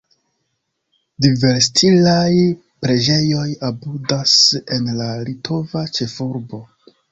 Diversstilaj preĝejoj abundas en la litova ĉefurbo.